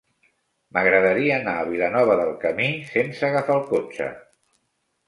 M'agradaria anar a Vilanova del Camí sense agafar el cotxe.